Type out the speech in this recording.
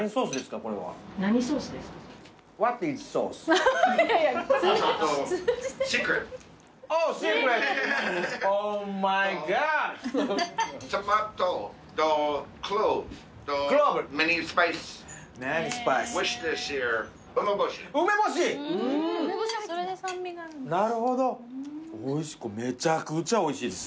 これめちゃくちゃおいしいです。